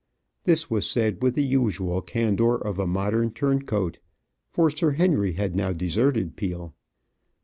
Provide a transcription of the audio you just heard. This was said with the usual candour of a modern turncoat. For Sir Henry had now deserted Peel.